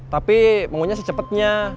tapi maunya secepetnya